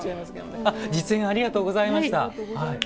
実演ありがとうございました。